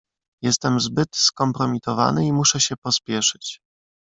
"Jestem zbyt skompromitowany i muszę się pospieszyć."